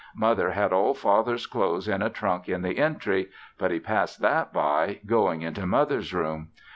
Mother had all Father's clothes in a trunk in the entry, but he passed that by going into Mother's room.